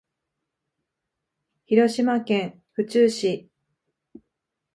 広島県府中市